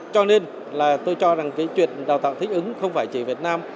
cho nên là tôi cho rằng cái chuyện đào tạo thích ứng không phải chỉ ở việt nam